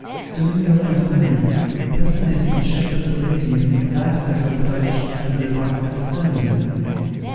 Domingo and Mary, personating the shepherds of Midian forbade her to approach, and repulsed her sternly.